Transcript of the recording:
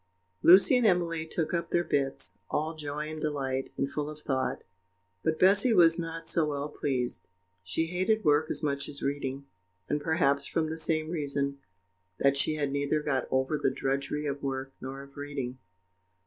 Lucy and Emily took up their bits, all joy and delight, and full of thought; but Bessy was not so well pleased; she hated work as much as reading, and perhaps from the same reason, that she had neither got over the drudgery of work nor of reading.